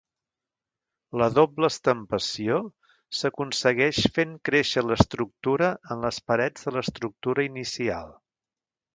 La doble estampació s'aconsegueix fent créixer l'estructura en les parets de l'estructura inicial.